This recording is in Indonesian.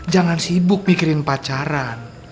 jangan sibuk mikirin pacaran